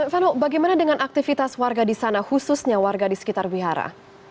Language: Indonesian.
vano bagaimana dengan aktivitas warga di sana khususnya warga di sekitar wihara